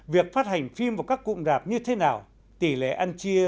việc phát hành phim vào các cụm rạp như thế nào tỷ lệ ăn chia